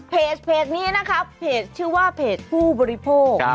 เพจนี้นะครับเพจชื่อว่าเพจผู้บริโภค